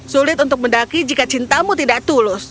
sulit untuk mendaki jika cintamu tidak tulus